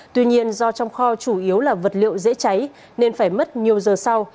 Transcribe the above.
tuy nhiên do trong kho chủ yếu là vật liệu dễ cháy nên phải mất nhiều giờ sau